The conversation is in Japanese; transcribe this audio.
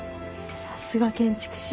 さすが建築士。